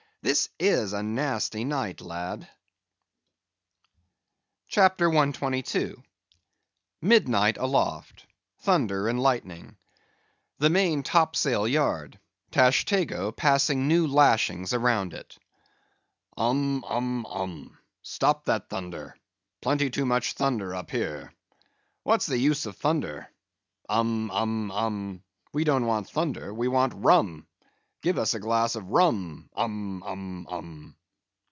This is a nasty night, lad." CHAPTER 122. Midnight Aloft.—Thunder and Lightning. The main top sail yard.—Tashtego passing new lashings around it. "Um, um, um. Stop that thunder! Plenty too much thunder up here. What's the use of thunder? Um, um, um. We don't want thunder; we want rum; give us a glass of rum. Um, um, um!"